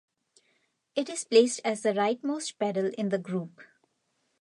It is placed as the rightmost pedal in the group.